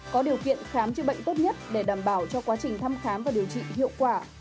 có điều kiện khám chữa bệnh tốt nhất để đảm bảo cho quá trình thăm khám và điều trị hiệu quả